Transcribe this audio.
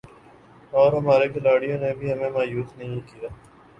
اور ہمارے کھلاڑیوں نے بھی ہمیں مایوس نہیں کیا